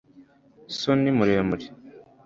so ni muremure